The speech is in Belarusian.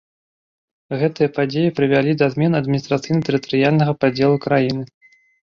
Гэтыя падзеі прывялі да змен адміністрацыйна-тэрытарыяльнага падзелу краіны.